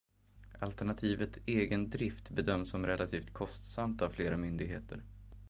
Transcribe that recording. Alternativet egen drift bedöms som relativt kostsamt av flera myndigheter.